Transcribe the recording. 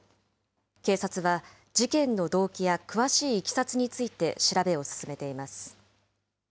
警察は事件の動機や詳しいいきさつについて調べを進めています。